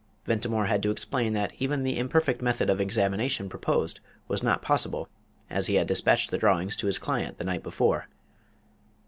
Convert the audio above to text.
Ventimore had to explain that even the imperfect method of examination proposed was not possible, as he had despatched the drawings to his client the night before.